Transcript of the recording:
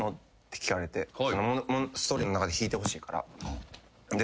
ストーリーの中で弾いてほしいから。